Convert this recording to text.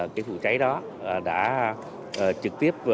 cái vụ cháy đó đã trực tiếp